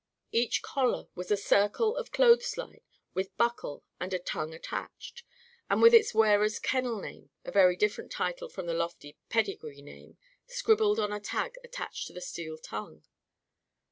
Each collar was a circle of clothesline, with buckle and tongue attached, and with its wearer's "kennel name" a very different title from the lofty "pedigree name" scribbled on a tag attached to the steel tongue.